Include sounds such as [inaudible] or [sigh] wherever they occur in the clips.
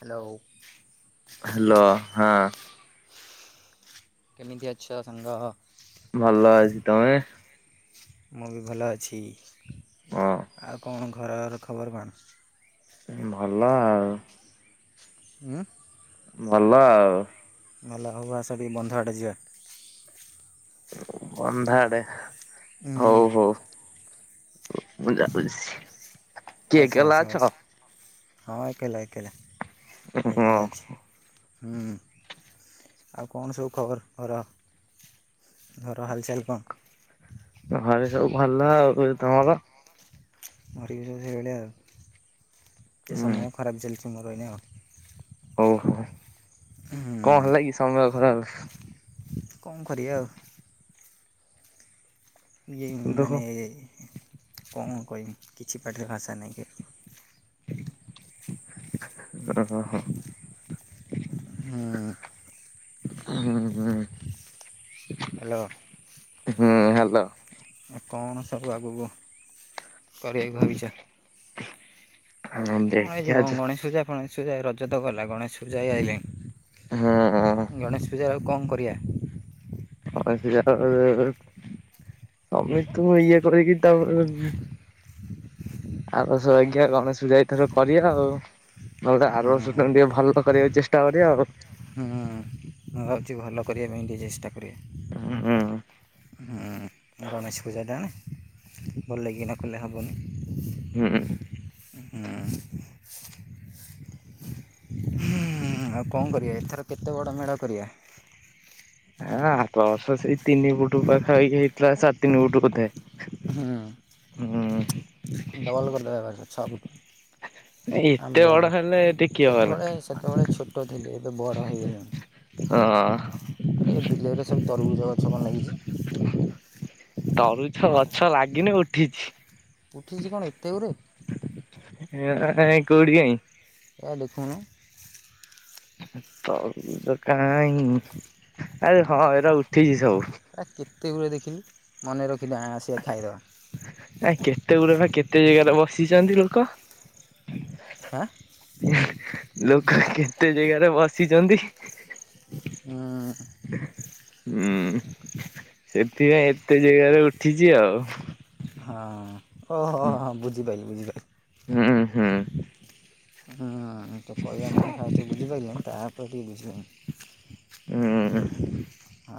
Hello. Hello ହାଁ। କେମିତି ଅଛ ସାଙ୍ଗ। ଭଲ ଅଛି ତମେ। ମୁଁ ବି ଭଲ ଅଛି। ହଁ। ଆଉ କଁ ଘରର ଖବର କଣ। ଭଲ ଆଉ। ଉଁ। ଭଲ ଆଉ। ଭଲ ହଉ ଆସ ଟିକେ ବନ୍ଧ ଆଡେ ଯିବା। ଉଁ ଅନ୍ଧ ଆଡେ ହୁଁ ହଉ ହଉ। ହୁଁ ମୁଁ ଜାଉଛି। ଆସ ଆସ ଆସ ହଁ ଏକେଲା ଏକେଲା ଏକେଲା ହଁ ଅଛି। ହୁଁ ଆଉ କଣ ସବୁ ଖବର ହଉ ର। ଘର ହାଲ ଚାଲ କଁ। ଘରେ ସବୁ ଭଲ ଆଉ ଏ ତମର। ମୋର‌ ବି ସବୁ ସେଇ ଭଳିଆ ଆଉ ଟିକେ ହୁଁ ସମୟ ଖରାପ ଚାଲିଛି ମୋର ଏଇନେ ଆଉ। ହଉ ହଉ ହୁଁ କଁ ହେଲା କି ସମୟ ଖରାପ। କଁ କରିବା ଆଉ। ଇଏ ଇଁ ଦେଖ ମାନେ କଣ କହିବି କିଛି ପାଟିରେ ଭାଷା ନହିଁ କ। ଓ ହୋ। ହଁ। ହୁଁ ହୁଁ। ହ୍ୟାଲୋ। ହୁଁ ହାଲୋ। ଆ କଣ ସବୁ ଆଗକୁ କରିବାକୁ ଭାବିଛ? କଣ ଏଇ ଦେଖିଆ ଯ ଗଣେଶ ପୂଜା ଗଣେଶ ପୂଜା ରଜ ତ ଗଲା ଗଣେଶ ପୂଜା ଏଇ ଆଇଲେ ଗଣେଶ ପୂଜା ଆଉ କଣ କରିବା? ହଁ ସେଟା ତମେ ତ ଇଏ କରିକି ତାପରେ ଆର ବର୍ଷ ବାଗିଆ ଗଣେଶ ପୂଜା ଏଥର କରିବା ଆଉ। ନହେଲେ ଆର ହୁଁ ବର୍ଷ ଠାରୁ ଟିକେ ଭଲ କରିବାକୁ ଚେଷ୍ଟା କରିବା ଆଉ। ହୁଁ। ମୁଁ ଭାବୁଛି ଭଲ କରିବା ପାଇଁ ଟି ଚେଷ୍ଟା କରିୟା। ହଁ ଗଣେଶ ପୂଜାଟାନା। ଭଲ କିନା କଲେ ହବନି। ହୁଁ। ହୁଁ ହଁ ଆଉ କଣ କରିବା ଏଥର କେତେ ବଡ଼ ମେଢ କରିବା। ହଁ ଆର ବର୍ଷ ସେଇ ତିନି ଫୁଟ ପାଖା ହେଇକି ହେଇଥିଲା ସାଢ଼େ ତିନି ଫୁଟ ବୋଧେ ହଁ। ହଁ। ଡବଲ କରିଦେବା ଏ [unintelligible] ବର୍ଷ ଛଅଫୁଟ୍। ଆମ ଏତେ ବଡ ବଡ଼ ହେଲେ ଟିକେ କିଏ ବଲେ ସେତେବେଳେ ସେତେବେଳେ ଛୋଟ ଥିଲ ଏବେ ବଡ଼ ହେଇଗଲାଣି। ହଁ। ଏଇ ବିଲେଇରେ ସବୁ ତରଗୁଜ ଗଛ କଣ ଲାଗିଛି? ତରୁଭୁଜ ଗଛ ଲାଗିନି ଉଠିଛି। ଉଠିଛି କଣ ଏତେ ଗୁରେ। [unintelligible] କୋଉଠି କାଇଁ? କାଇଁ ଦେଖନୁ। ତରଭୁଜ କାହିଁ। ଆରେ ହଁ ଏରା ଉଠିଛି ସବୁ। ଆ କେତେ ଗୁରେ ଦେଖିଲୁ ମନେ ରଖିଥା ଆସିଆ ଖାଇଦେବା। ଆ କେତେ ଗୁରେ ବା କେତେ ଜାଗାରେ ବସିଛନ୍ତି ଲୋକ। ଆଁ ଲୋକ କେତେ ଜାଗାରେ ବସିଛନ୍ତି? ହୁଁ। ହୁଁ ସେଥିପାଇଁ ଏତେ ଜାଗାରେ ଉଠିଛି ଆଉ। ହଁ ଓହୋ ହଁ ବୁଝି ପାଇଲି ବୁଝି ପାଇଲି। ହୁଁ ହୁଁ। ହୁଁ କହିବା ମାନେ ଫାଷ୍ଟ ବୁଝି ପାଇଲିନି ତାପରେ ଟିକେ ହୁଁ। ବୁଝିଗଲି। ଆ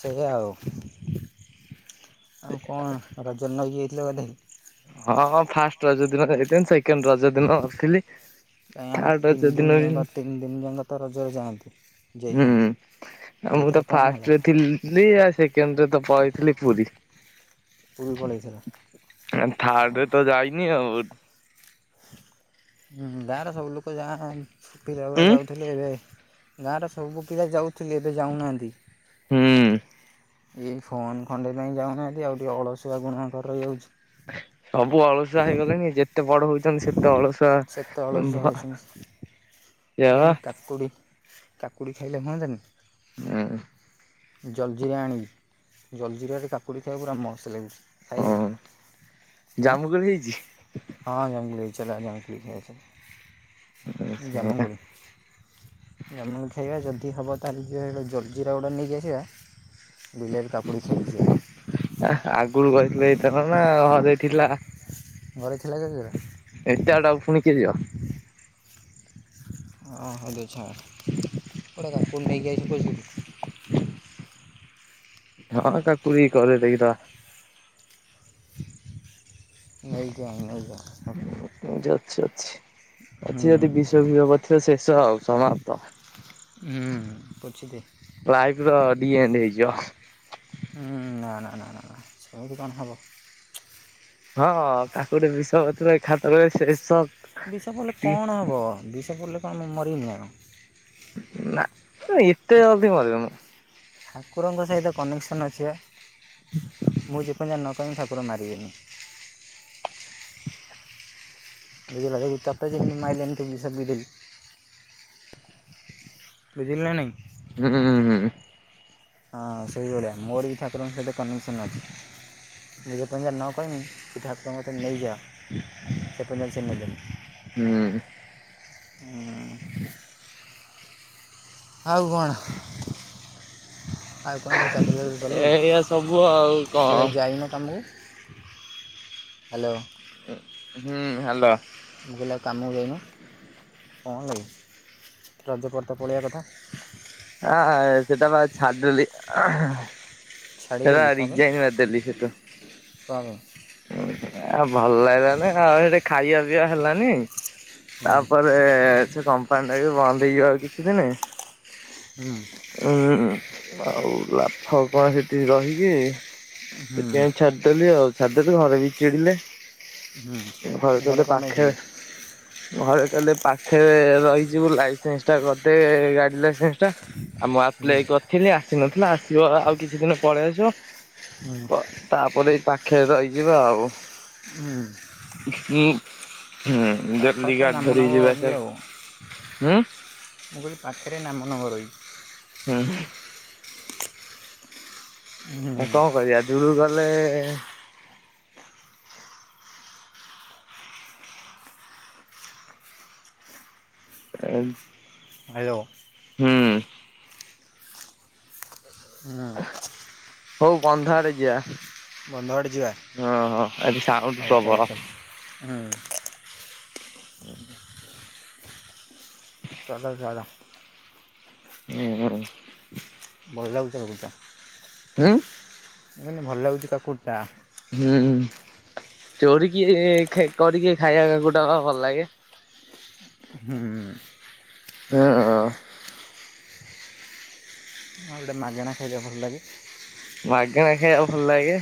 ସେଇୟା ଆଉ। ଆଉ କଣ [unintelligible] ଯାଇଥିଲେ ବୋଧେ? ହଁ ହଁ ଫାଷ୍ଟ ରଜ ଦିନ [unintelligible] ସେକେଣ୍ଡ ରଜ ଦିନ ନଥିଲି। କାହିଁ ଆମେ ଥାର୍ଡ ରଜ ତିନି ଦିନ ବି ଯାକ ତିନି ଦିନ ଯାକ ତ ରଜରେ ଯାଆନ୍ତି ଯାଇଥାନ୍ତୁ। ଆଉ ମୁଁ ତ ଫାଷ୍ଟରେ ଥିଲି। ଆ ସେକେଣ୍ଡରେ ତ ପଳେଇଥିଲି ପୁରୀ। ପୁରୀ ପଳେଇଥିଲ। ଥାର୍ଡେ ତ ଯାଇନି ଆଉ। ହୁଁ ଗାଁର ସବୁ ଲୋକ ଯାଅ ପିଲା ଗୁରା ଯା ଥିଲେ। ଏବେ ଗାଁର ସବୁ ପିଲା ଯାଉଥିଲି ଏବେ ଯାଉନାହାନ୍ତି। ହୁଁ। ଏଇ ଫୋନ ଖଣ୍ଡେଇ ପାଇଁ ଯାଉନାହାନ୍ତି। ଆଉ ଟିକେ ଅଳସୁଆ ଗୁଣକାର ରହିଯାଉଛି। ସବୁ ଅଳସୁଆ ହେଇଗଲେଣି। ଯେତ ଯେତେ ବଡ ହଉଛନ୍ତି ସେତେ ଅଳସୁଆ। ସେତେ ଅଳସୁଆ ଭ୍ ହେଉଛନ୍ତି ମୁଁ କହିଲି କାକୁଡ଼ି କାକୁଡ଼ି ଖାଇଲେ ହୁଅନ୍ତାନି। ହୁଁ। ଜଲଜିିରା ଆଣିବୁ ଜଲଜିିରାରେ କାକୁଡ଼ି ଖାଇବାକୁ ପୁରା ମସ୍ତ ଲାଗୁଛି। ଖାଇ ଆ ଜାମୁକୋଳି ହେଇଛି? ହଁ ଜଙ୍ଗଲି ଚଲା [unintelligible] [unintelligible] ଜାମୁ ଖାଇବା ଯଦି ହବ ତାହେଲେ ଯେ ଜଲଜିରା ଗୋଟା ନେଇ ଯାଇଥିବା। ବିଲରୁ କକୁଡ଼ି ସରିଯିବ। ଆଗରୁ କହିଥିଲେ ହେଇଥାନା ଘରେ ଥିଲା। ଘରେ ଥିଲା [unintelligible] ଏତେ ବାଟ ପୁଣିିକିଏ ଯିବ? ହଁ ହେଉ ଛଡ଼ା ଗୋଟେ କାକୁଡି ନେଇକି ଆଇଚି ପଇସା ଦେ ହଁ କାକୁଡି କରେ ଦେଇଦବା। ନେଇ ଯା ନେଇ ଯା। ଅଛି ଅଛି ଅଛି ଯଦି ହୁଁ ବିଷ ବିହ କରି ଥିବ ଶେଷ ଆଉ ସମାପ୍ତ। ହୁଁ ପୋଛି ଦେ। ଲାଇଫ ର ଡିଏଣ୍ଡ ହେଇଯିବ। ନା ନା ନା ନା ନା ସେମିତି କଣ ହେବ? ହଁ କାକୁଡି ବିଷ [unintelligible] ଖାତ ସେସବ ବିଷ ଥିଲେ କଣ ହବ ବିଷ ପଡ଼ିଲେ କଣ ମରିମି ନା କଣ? ନା ଏତେ ଜଲଦି ମରିବୁନି। ଠାକୁରଙ୍କ ସହିତ କନେକ୍ସନ ଅଛି। ମୁଁ ଯେପ ନ ପାଇଁ ଠାକୁର ମାରିବେନି। [unintelligible] ବୁଝିଲ ନା ନାଇଁ? ହୁଁଁ ହୁଁ। ହଁ ସେଇଭଳିଆ ମୋର ବି ଠାକୁରଙ୍କ ସହିତ କନେକ୍ସନ୍ ଅଛି। ନିଜେ ପେଜା ନ କ ପିଠାାଟ ନେଇଯା ସେ ପେଞଜାଛନ୍ନେଇ ଦେ ହୁଁ। ହ। ଆଉ କଣ? ଆ ଏ କଣ ଚାକରି ବାକରି ଚାଲୁ ଏଇଆ ସବୁ ଆଉ କଣ ତବେ ଯାଇନ କମକୁ ହ୍ୟାଲୋ। ହୁଁ ହଲୋ। ମୁଁ କହିଲା କାମକୁ ଯାଇନି ଲାଗିଲି ରଜପର୍ଦ ପଳେଇବା କଥା। ହ ସେଟା ବା ଛାଦ ଶାଢ଼ୀରେ ଲେଖାମେ ସେଠୁ। କରମେ ଆ ଭଲ ଲାଗିଲାନ ଆଉ ସେଠି ଖାଇବା ପିଇବା ହେଲାନି ତାପରେ ସେ କମ୍ପାନୀ ଟା ବି ବନ୍ଦ ହେଇଯିବ ଆଉ କିଛି ଦିନ ହୁଁ। ହୁଁ ଆଉ ଲାଫ କଣ ସେଠି ରହିକି। ହୁଁ ସେଥିପାଇଁ ଛାଡିଦେଲି ଆଉ ଛାଡିଦେଲି ଘରେ ବି ଚିଡିଲେ ହୁଁ ଘର ଘରେ କେ ପାଖେ କମେଇଥିଲି ଘରେ କହଲେ ପାଖରେ ରହିଯିବୁ ଲାଇସେନ୍ସ ଟା କରିଦେ ଗାଡି ଲାଇସେନ୍ସ ଟା। ଆଉ ମୁ ଆପ୍ଲ କରିଥିଲି ଆସିନଥିଲା ଆସିବ ଆଉ କିଛି ଦିନ ପଳେଇ ଆସିବ। ତାପରେ ଏଇ ପାଖେରେ ରହିଯିବା ଆଉ। ହୁଁ। ହଁ ପାଖରେ ଜଲ୍ଲି ତ ଗାଡି ନାମ ଧରି ନବ ଯିବା ବି ସେ ଆଉ ହୁଁ ମୁଁ କହିଲି ପାଖରେ ନାମ ନଗର [unintelligible] ହୁଁ ହୁଁ। ହୁଁ ଆ କଣ କରିବା ଦୂରକୁ ଗଲେ ଆଁ [unintelligible] ହୁଁ। ହୁଁ ହଉ ବନ୍ଧ ଆଡ଼େ ଯିବା। ବନ୍ଧ ଆଡ଼େ ଯିବା ହଁ ହଁ ଆଜି ସାଉଣ୍ଡ ହଉ ଚାଲ ପ୍ରବଳ। ଚାଲ ହୁଁ। [unintelligible] ହୁଁ ହୁଁ। ଭଲ ଲାଗୁ [unintelligible] ଉଁ? ମୁଁ କହିଲି ଭଲ ଲାଗୁଛି କାକୁଡ଼ି ଟା। ହୁଁ ଚୋରିକି କରିକି ଖାଇବା ଗୋଟା ଭଲ ଲାଗେ। ହୁଁ। ହଁଁ। ଆଉ ଗୋଟେ ମାଗଣା ଖାଇବା ଭଲ ଲାଗେ। ମାଗଣା ଖାଇବା ଭଲ ଲାଗେ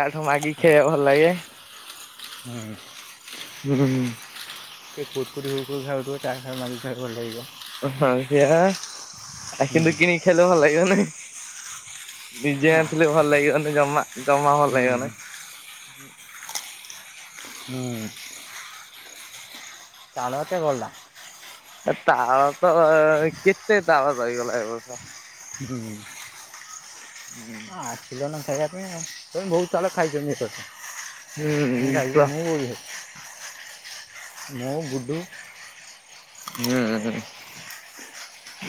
କାଠୁ ମାଗିକି ଖାଇବା ଭଲ ଲାଗେ। ହୁଁ। ହୁଁ। [inaudible] ଭଲ ଲାଗିବ ହଁ ସେଆ ହୁଁ କିନ୍ତୁ କିଣି ଖାଇଲେ ଭଲ ଲାଗିବ ନା? ନିଜେ ନା ଆଣିଥିଲେ ଭଲ ଲାଗିବନି ଜମା ଜମା ଭଲ ହୁଁ ଲାଗିବ ନାହିଁ। ହୁଁ। ତାଳ ତ ଗଲା। ଏ ତାଳ ତ କେତେ ତାଳ ରହିଗଲା ଏ ବର୍ଷ ହୁଁ ଆ [unintelligible] ପିଲନା ଖାଇବା ପାଇଁମ ତେ ବହୁତ [inaudible] [inaudible] ହୁଁ ତ ମୋ ଗୁଡ଼ୁ ହୁଁ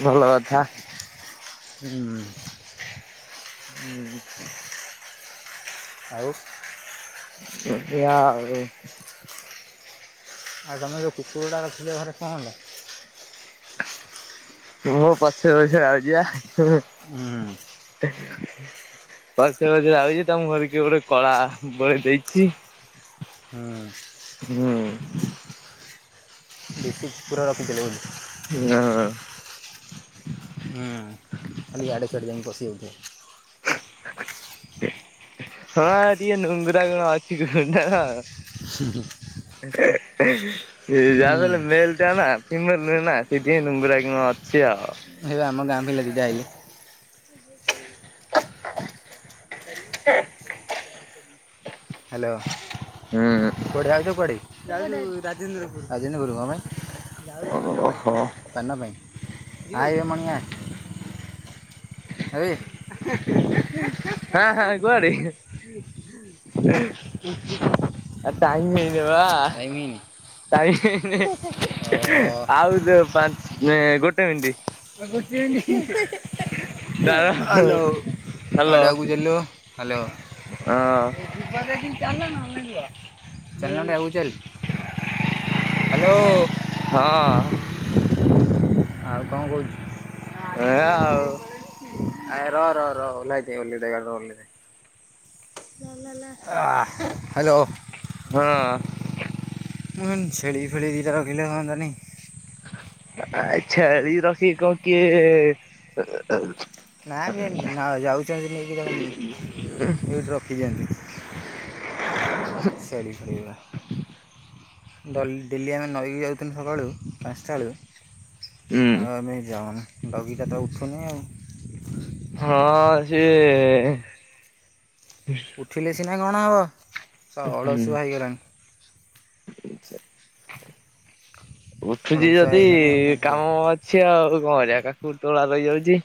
ଭଲ କଥା। ହୁଁ। ହୁଁ। ଆଉ ଏଇଆଉ ଆଉ ତମେ ଯେଉ କୁକୁରଟା ରଖିଥିଲ ଘରେ କଣ ହେଲା? ହଁ ପଛ [unintelligible] ଆଉଛିଆ ହୁଁ। ଦେ [inaudible] ପଛରେ ପଛରେ ଆଉଛି ତା ମୁହଁରେ କିଏ ଗୋଟେ କଳା ବୋଳି ଦେଇଛି। ହୁଁ। ହୁଁ। ବେଶି ପୁରା ରଖିଦେଲେ ବୋଧେ। ନାଁ। ହୁଁ ଖାଲି ଆଡ଼େ ସିଆଡ଼େ ଯାଇ ପଶି [unintelligible] ହଁ ଟିକେ ନୁଙ୍ଗୁରା ଗୁଣ ଅଛି [unintelligible] ହୁଁ ହୁଁ। [unintelligible] ହୁଁ, ମେଲ୍ ଟା ନା। ସିମ ନୁହେଁ ନା ସେଠିଁ ଲୁଙ୍ଗୁରା କିଣ ଅଛି ଆଉ। ହେଇ ଆମ ଗାଁ ପିଲା ଆଇଲେ। [unintelligible] ହାଲୋ। ହୁଁ। କୁଆଡେ଼ ଯାଉଛ କୁଆଡେ ରାଜେନ୍ଦ୍ରପୁର ରାଜେନ୍ଦ୍ରପୁର ଓହୋ ହଁ [inaudible] ସାନ ପାଇଁ ଆରେ ମଣିଆ ଆବେ ହଁ କୁଆଡେ? [inaudible] ଟାଇମ ଆ ହେଇଯିବ ଟାଇମ ହେଇନି ବା ପା ଟାଇମ। ଓହୋ। ନେ ଗୋଟେ ମିନିଟ୍। ତାର ହାଲୋ ହ୍ୟାଲୋ। ଆ [inaudible] ଦିଲୁ ହାଲୋ। ହଁ ଚାଲ ଆଗକୁ ଚାଲ। ହାଲୋ। ହଁ। ଆଉ କଣ କରୁଚୁ? ଏଇଆ ଆଉ ଆ ର ରହ ରହ ଓଲାଇ ଦିଏ ଓଲେଇ ଦିଏ ଗାଡିରୁ ଓଲେଇଦିଏ। ହାଲୋ। ହଁ। ହଁ ଛେଳି ଫେଳି ଦିଟା ରଖିଲେ ହୁଅନ୍ତାନି। ଆ ନାଇଁ ଛେଳି ରଖିବ କିଏ? ନାଇ ବେ ଯାଉଛି ଭାରି ନେଇକି ତାକୁ ଏଇଠି ରଖିଦିଅନ୍ତି। [inaudible] ଡ଼ଲି ଡେଲି ଆମେ ନଈକି ଯାଉଥିଲୁ ସକାଳୁ ପାଞ୍ଚଟା ବେଳୁ। ହୁଁ ଆଉ ଆମେ ଯାଉନୁ ଡଗିଟାତ ଉଠୁନି ଆଉ ହଁ ସିଏ ଉଠିଲେ ସିନା କଣ ହେବ ହୁଁ ଅଳସୁଆ ହେଇଗଲାଣି। ଉଠୁଛି ଅଳସୁଆ ଯଦି ହେଇଗଲାଣି ଆଉ କଣ କରିବା। କାମ ସିଏ ଆଉ କଣ କରିବା କାକୁଡି ତୋଳା ରହିଯାଉଛି।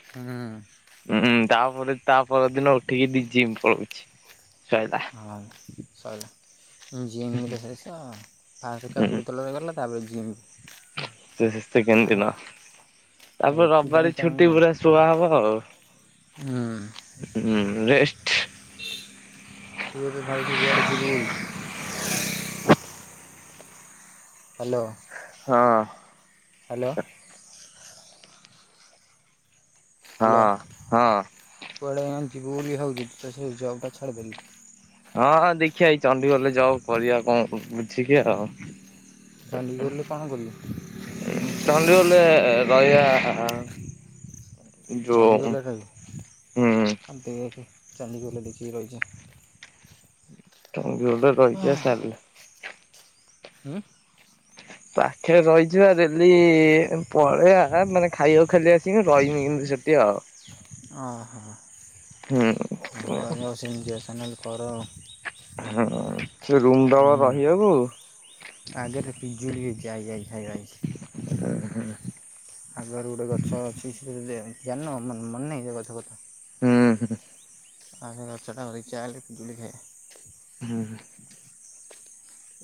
ହାଁ। ହୁଁ ତାପ ତା ପର ଦିନ ଉଠିକି ଟିକେ ଜିମ୍ ପଳଉଛି ସଇଲା। ହଁ ଜିମରେ ଫାଷ୍ଟ ତ ଫାଷ୍ଟ ହୁଁ କାକୁଡ଼ି ତୋଳାରେ ଗଲା ତାପରେ ଜିମ। ସେକେଣ୍ଡ ଦିନ ଆଉ ତାପରେ ଏଥିପାଇଁ ରବିବାର ଟାଇମ୍ ଛୁଟି ପୁରା ସୁଆ ହବ। କାଇଁ ହୁଁ ରେଷ୍ଟ୍ ତୁ ଏବେ ଭାବଛୁ କୁଆଡ଼େ ଯିବୁ ବୋଲି? ହାଲୋ। ହଁ। ହାଲୋ। ହାଲୋ ହଁ ହଁ। କୁଆଡ଼େ ଯିବୁ ବୋଲି ଭାବଛୁ ତ ସେ ଜବଟା ଛାଡ଼ିଦେଲି। ହଁଁ ଦେଖିବା ଏଇ ଚଣ୍ଡିଖୋଲରେ ଜବ କରିବା କଣ ବୁଝିକି ଆଉ ଚଣ୍ଡିଖୋଲରେ କଣ କରିବୁ? ଚଣ୍ଡିଖୋଲରେ ରହିଆ। ଯୋଉ ଚଣ୍ଡିଖୋଲରେ ରହିବୁ ହୁଁ। ଆଉ ଦେଖେ ଚଣ୍ଡିଖୋଲରେ ଦେଖିକି ରହିଯା। ଚଣ୍ଡିଖୋଲରେ ରହିଯା ସାଲେରୀ ହୁଁ। ପାଖରେ ରହିଛୁ ଆ ଡେଲି ପଳେଇଆ ମାନେ ଖାଇବାକୁ ଖାଲି ଆସିକି ରହିନି କିନ୍ତୁ ସେଠି ଆଉ। ଓ ହୋ। ହୁଁ। ଆ ରହିବାକୁ ସେମିତି ଏସେନେଲ୍ କର। ହୁଁ ସେ ରୁମ୍ ଦବ ରହିବାକୁ? ଆଗେ ରେ ପିଜୁଳି ହେଇଚି ଆଇ ଆଇ ଖାଇବା ଆଇ। ଉଁ ହୁଁ। ଆଗରୁ ଗୋଟେ ଗଛ ଅଛି ସେ ଜେ ଜାଣିନୁ ମନେ ନାହିଁ ସେ ଗଛ କଥା। ହୁଁ ହୁଁ। ଆ ସେ ଗଛଟା କତିକି ଚାଲେ ପିଜୁଳି ଖାଇବା। ହୁଁ ହୁଁ।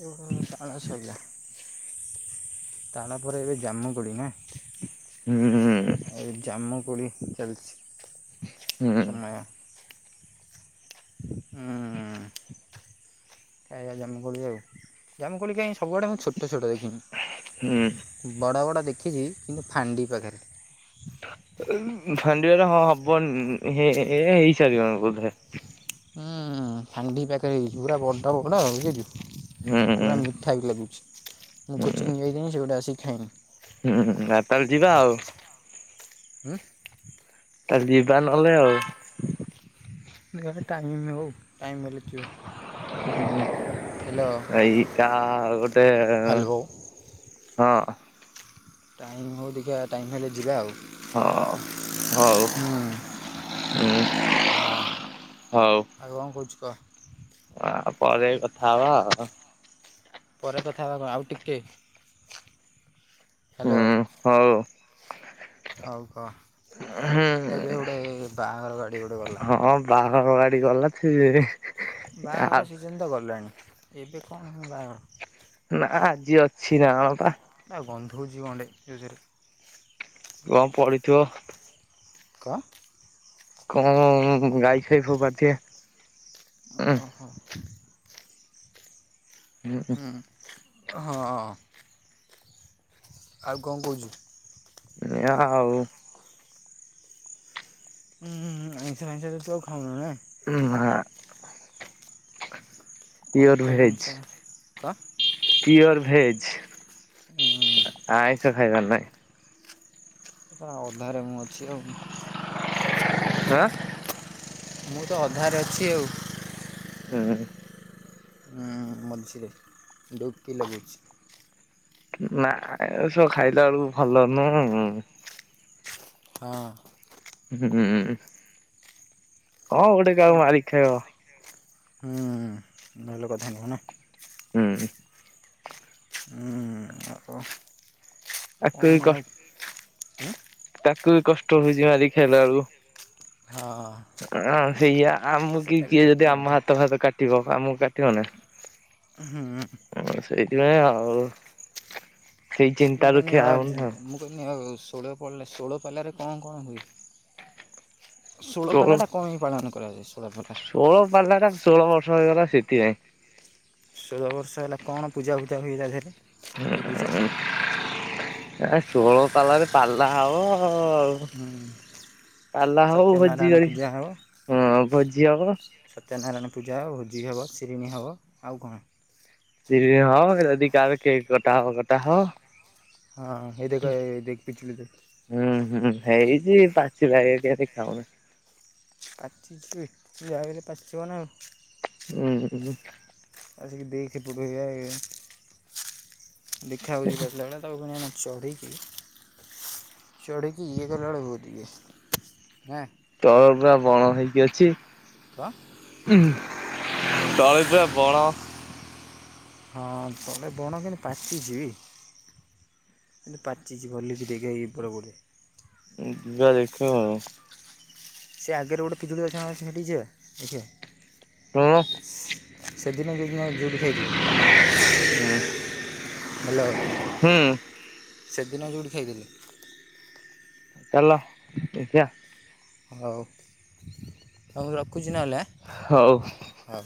ଏ ଭୁ ତାଳସଇଲା। ତାଳ ପରେ ଏବେ ଜାମୁ କୋଳି ନା? ହୁଁ। ଏଇ ଜାମୁ କୋଳି ଚାଲିଛି ତ ମେ ହୁଁ। ଖାଇବା ଜାମୁକୋଳି ଆଉ ଜାମୁକୋଳି କାଇଁ ସୁବୁଆଡେ ମୁଁ ଛୋଟ ଛୋଟ ଦେଖିନି। ହୁଁ। ବଡ଼ ବଡ଼ ଦେଖିଛି କିନ୍ତୁ ଫାଣ୍ଡି ପାଖେରେ। ଏ ଉ ଫାଣ୍ଡିଆଡେ ହଁ ହବନି ହେ ଏ ହେଇସାରିବଣୀ ବୋଧେ। ହୁଁ ଫାଣ୍ଡି ପାଖେରେ ହେଇଛି ପୁରା ବଡ଼ ବଡ଼ ବୁଝିଲୁ ହୁଁ ହୁଁ ପୁରା ମିଠା ବି ଲାଗୁଛି। ମୁଁ କୋଚିଂଙ୍ଗ ଯାଇଥିଲିନି ସେ ପଟେ ଆସିକି ଖାଇନି। ହୁଁ ଆଉ ତାଲ୍ ଯିବା ଆଉ। ଉଁ। ତାଲ୍ ଯିବା ନଲେ ଆଉ। ଯିବା ପାଇଁ ଟାଇମ୍ ହଉ ଟାଇମ୍ ହେଲେ ଯିବା। ହ୍ୟାଲୋ ଏଇ କା ଗୋଟେ ହ୍ୟାଲୋ ହଁ। ଟାଇମ୍ ହଉ ଦେଖିଆ ଟାଇମ୍ ହେଲେ ଯିବା ଆଉ। ହଁ। ହଉ ହୁଁ ହଁ। ହୁଁ ହଉ ଆଉ କଣ କହୁଛୁ କ। ଆ ପରେ କଥା ହବା ଆଉ। ପରେ କଥା ହେବା କଣ ଆଉ ଟିକେ ହ୍ୟାଲୋ। ହୁଁ ହଉ। ହଉ କ ଏବେ ହୁଁ ଗୋଟେ ବାହାଘର ଗାଡି ଗୋଟେ ଗଲା। ହଁ ବାହାଘର ଗାଡି ଗଲା ଛିଏ ବାହାଘର ସିଜିନ୍ ତ ଗଲାଣି ଏବେ କଣ ପୁଣି ବାହାଘର। ନାଁ ଆଜି ଅଛି ନା କଣ ପା? ଆ ଗନ୍ଧଉଚି କଣଟେ ୟୁଜୁରେ। କଣ ପଡିଥିବ। କଁ? କଣ ଗାଈ ଫାଇ ଫୋପାଡି ଥିବେ। ଓହୋ। ହୁଁ ହୁଁ ହଁ ଆଉ କଣ କହୁଛୁ? ଏୟା ଆଉ। ଉଁ ହୁଁ ଆଇଁଷା ଫାଇଁଷ ତ ତୁ ଆଉ ଖାଉନୁ ନା? ଉଁ ନାଁ। କଣ ପିଓର କହୁଛନ୍ତି ସାରେ କଁ? Pure veg. ଉଁ। ଆଇଁଷ ଖାଇବାର ନାଇଁ। ଶଳା ଅଧାରେ ମୁଁ ଅଛି ଆଉ। [unintelligible] ମୁଁ ତ ଅଧାରେ ଅଛି ଆଉ। ହୁଁ। ଉଁ ମଝିରେ। ଡୁବକି ଲଗଉଚି। ନା ଏସବୁ ଖାଇଲା ବେଳକୁ ଭଲ ନୁ। ହଁ। ହୁଁ। କଣ ଗୋଟେ କାହାକୁ ମାରିକି ଖାଇବ। ହୁଁ। ଭଲ କଥା ନୁହୁ ନା। ହୁଁ। ହୁଁ [unintelligible] ତାକୁ କଣ ବି ଆଉ କଷ୍ ତାକୁ ବି କଷ୍ଟ ହଉଚି ମାରିକି ଖାଇଲା ବେଳକୁ। ହଁ। ହଁ ସେଇଆ। ଆମକୁ କି ସେଟା ବି କିଏ ସତ ଯଦି ଆମ କଥା ହାତ ଫାତ କାଟିବ ଆମକୁ କାଟିବ ନା। ହୁଁ। ଉଁ ସେଇଥିପାଇଁ ଆଉ। ସେଇ ଚିନ୍ତା ରୁ ଖିଆ ହଉନି ଆଉ। କହିନି ଆଉ ଷୋଳ ପଳ ଷୋଳପାଲାରେ କଣ କଣ ହୁଏ? ଷୋଳପାଲାଟା କଣ ପାଇଁ ପାଳନ କରାଯା ଷୋଳପାଲା? ଷୋଳ ପାଲାଟା ଷୋହଳ ବର୍ଷ ହେଇଗଲା ସେଥିପାଇଁ। ଷୋହଳ ବର୍ଷ ହେଲା କଣ ପୂଜା ଫୁଜା ହୁଏ ତା ଦେହରେ? କି ପୂଜା ଉଁ ଆ ଷୋଳ ପାଲାରେ ପାଲା ହବ ଆଉ। ହୁଁ ପାଲା ହଉ ଭୋଜି ସତ୍ୟନାରାୟଣ ପୂଜା କରିକି ହେବ। ହଁ ଭୋଜି ହବ। ସତ୍ୟନାରାୟଣ ପୂଜା ହବ ଭୋଜି ହବ ଶିରିଣୀ ହବ। ଆଉ କଣ? ଶିରିଣି ହବ। ଯଦି କାହାର କେକ୍ କଟା ହବ କଟା ହବ। ହଁ ହେଇ ଦେଖ ଏ ଦେଖ୍ ପିଜୁଳି ଦେଖ୍। ହୁଁ ହୁଁ। ହେଇଚି ପାଚିଲ ଭଳିଆ କାଇଁ ଦେଖା ଯାଉନି। ପାଚିଚି ବେ ଯାହେଲେ ବି ପାଚିଥିବ ନା। [unintelligible] ଆସ କି [unintelligible] ଦେଖା ଯାଉଚି ପାଚିଲା ଭଳିଆ ତାକୁ ପୁଣି ଏଇନା ଚଢିକି ଚଢ଼ିକିି ଇଏ କଲା ବେଳକୁ ବହୁତ ଇଏ। ନା? ତଳ ପୁରା ବଣ ହେଇକି ଅଛି। [unintelligible] ତଳେ ପୁରା ବଣ ହଁ ତଳେ ବଣ କିନ୍ତୁ ପାଚିଚି। କିନ୍ତୁ ପାଚିଚି ଭଲକି ଦେଖ୍ ଏଇ ଉପର ପଟେ। ଯିବା ଦେଖିବା ଆଉ। ସେ ଆଗରେ ଗୋଟେ ପିଜୁଳି ଗଛ ହେଠିକି ଯିବା ଦେଖିବା। [unintelligible] ସେଦିନ ଯେଉଁଦିନ ଯୋଉଠି ଖାଇଥିଲେ। ହ୍ୟାଲୋ ହୁଁ। ସେଦିନ ଯୋଉଠି ଖାଇଥିଲେ। ଚାଲ ଦେଖିବା। ହଉ। ହଉ ମୁଁ ରଖୁଚି ନହେଲେ ଆଁ। ହଉ। ହଉ।